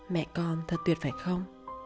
mẹ con thật tuyệt phải không